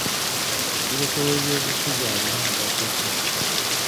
Kakuyege w'ebyobufuzi alina mugaso ki?